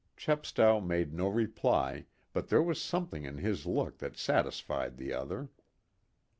Chepstow made no reply, but there was something in his look that satisfied the other.